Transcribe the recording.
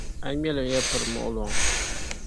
A ŋmɛlimya piri m-muɣi lɔŋ.